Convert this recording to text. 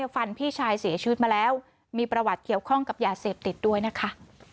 ฟันพี่ชายเสียชีวิตมาแล้วมีประวัติเกี่ยวข้องกับยาเสพติดด้วยนะคะ